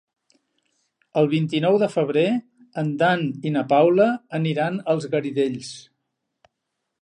El vint-i-nou de febrer en Dan i na Paula aniran als Garidells.